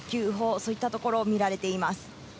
そういったところを見られています。